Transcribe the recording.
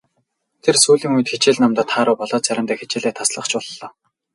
Тэр сүүлийн үед хичээл номдоо тааруу болоод заримдаа хичээлээ таслах ч боллоо.